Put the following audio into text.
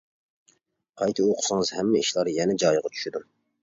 قايتا ئوقۇسىڭىز ھەممە ئىشلار يەنە جايىغا چۈشىدۇ.